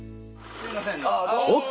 すいません。